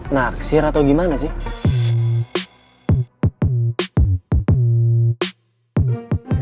naksir atau gimana sih